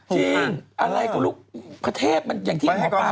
จริงอะไรก็ลูกพระเทพมันอย่างที่หมอปลาก็พูดเนี่ย